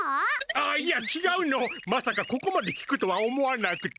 あっいやちがうのまさかここまできくとは思わなくて。